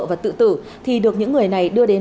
và tự tử thì được những người này đưa đến